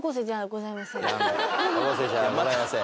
「高校生じゃございません」